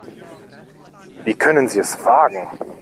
Wie können Sie es wagen?